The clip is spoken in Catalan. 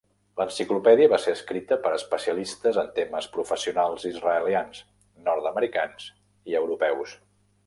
L'enciclopèdia va ser escrita per especialistes en temes professionals israelians, nord-americans i europeus.